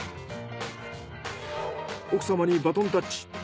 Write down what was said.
奥様にバトンタッチ。